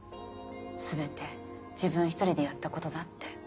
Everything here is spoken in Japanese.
全て自分一人でやったことだって。